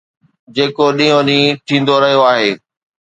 جيڪو ڏينهون ڏينهن ٿيندو رهيو آهي.